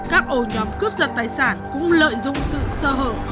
các ổ nhóm cướp giật tài sản cũng lợi dụng sự sơ hở